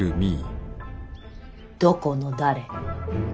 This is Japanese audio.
どこの誰？